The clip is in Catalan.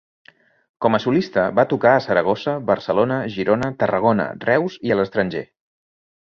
Com a solista va tocar a Saragossa, Barcelona, Girona, Tarragona, Reus i a l'estranger.